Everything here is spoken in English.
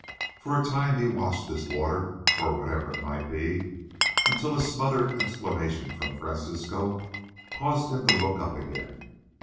For a time he watched this water, or whatever it might be, until a smothered exclamation from Francisco caused him to look up again.